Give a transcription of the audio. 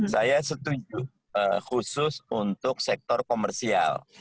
saya setuju khusus untuk sektor komersial